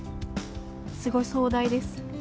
すごく壮大です。